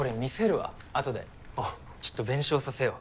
ちょっと弁償させよう。